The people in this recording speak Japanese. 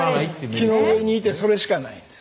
木の上にいてそれしかないです。